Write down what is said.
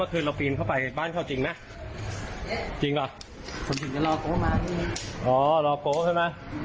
โอเคที่เดือดร้อนเพราะผม